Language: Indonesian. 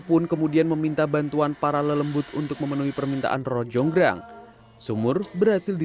pun kemudian meminta bantuan para lelembut untuk memenuhi permintaan roro jonggrang sumur berhasil